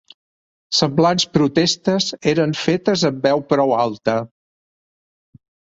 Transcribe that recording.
Semblants protestes eren fetes amb veu prou alta